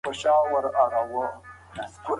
یون